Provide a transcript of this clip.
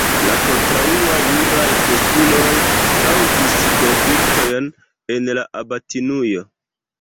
La kontraŭaj juraj postuloj kaŭzis konfliktojn en la abatinujo.